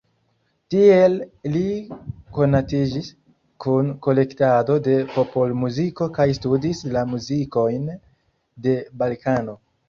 Tiel li konatiĝis kun kolektado de popolmuziko kaj studis la muzikojn de Balkano.